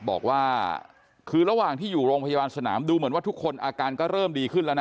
บอกว่าคือระหว่างที่อยู่โรงพยาบาลสนามดูเหมือนว่าทุกคนอาการก็เริ่มดีขึ้นแล้วนะ